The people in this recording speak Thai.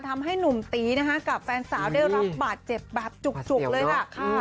ทำให้หนุ่มตีนะคะกับแฟนสาวได้รับบาดเจ็บแบบจุกเลยค่ะ